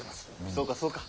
そうかそうか。